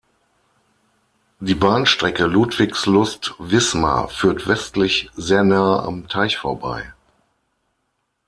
Die Bahnstrecke Ludwigslust–Wismar führt westlich sehr nahe am Teich vorbei.